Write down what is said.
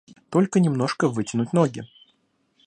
Только немножко вытянуть ноги.